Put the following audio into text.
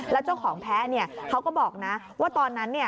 แล้วเจ้าของแพ้เขาก็บอกนะว่าตอนนั้นเนี่ย